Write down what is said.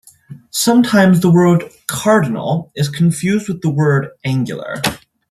Sometimes the word "cardinal" is confused with the word "angular".